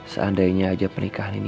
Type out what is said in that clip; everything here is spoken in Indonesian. seandainya aja pernikahan ini